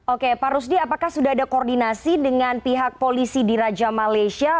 oke pak rusdi apakah sudah ada koordinasi dengan pihak polisi di raja malaysia